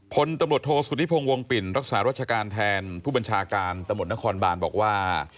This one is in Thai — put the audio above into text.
พลตำรวจโทษสุนิพงศ์วงปิ่นรักษารัชการแทนผู้บัญชาการตำรวจนครบานบอกว่า